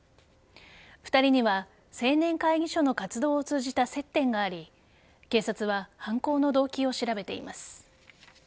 ２人には青年会議所の活動を通じた接点があり警察は犯行の動機を調べています。